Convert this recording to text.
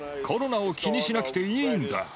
コロナを気にしなくていいんだ。